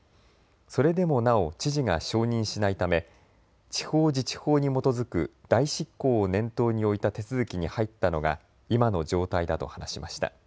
それでもなお知事が承認しないため地方自治法に基づく代執行を念頭に置いた手続きに入ったのが今の状態だと話しました。